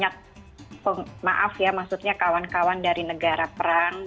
kita kan di sweden itu banyak kawan kawan dari negara perang